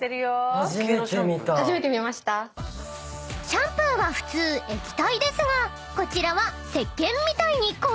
［シャンプーは普通液体ですがこちらは石鹸みたいに固形！］